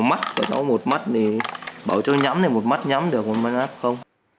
mắt của cháu một mắt thì bảo cháu nhắm thì một mắt nhắm được một mắt không